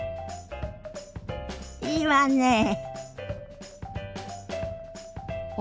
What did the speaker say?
いいわね。